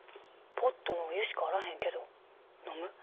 ポットのお湯しかあらへんけど飲む？